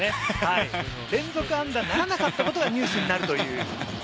連続安打にならなかったことがニュースになるという。